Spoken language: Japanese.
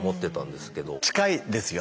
近いですよ。